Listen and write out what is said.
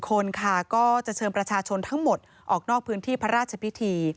คนค่ะก็จะเชิญประชาชนทั้งหมดออกนอกพื้นที่พระราชพิธี